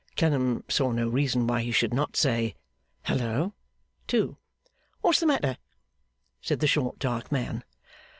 Clennam saw no reason why he should not say 'Halloa!' too. 'What's the matter?' said the short dark man.